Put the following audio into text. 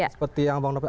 seperti yang bang nopet